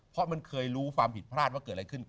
เพราะมันเคยรู้ความผิดพลาดว่าเกิดอะไรขึ้น